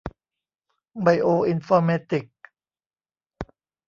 ไบโออินฟอร์เมติกส์